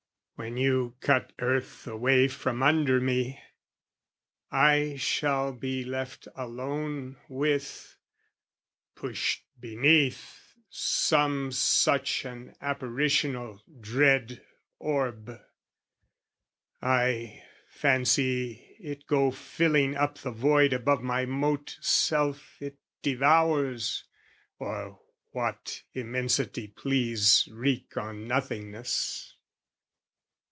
When you cut earth away from under me, I shall be left alone with, pushed beneath Some such an apparitional dread orb; I fancy it go filling up the void Above my mote self it devours, or what Immensity please wreak on nothingness.